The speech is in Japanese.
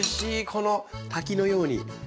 この滝のように。